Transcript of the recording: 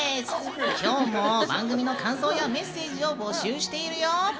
今日も番組の感想やメッセージを募集しているよ。